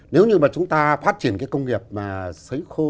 nếu như mà chúng ta phát triển cái công nghiệp mà xấy khô